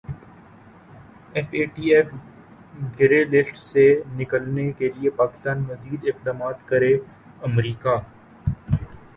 F A T F grey list سے نکلنے کیلئے پاکستان مزید اقدامات کرے امریکا